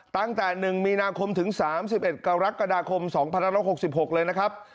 ตั้งแต่หนึ่งมีนาคมถึงสามสิบเอ็ดกรกฎาคมสองพันธุ์แล้วหกสิบหกเลยนะครับ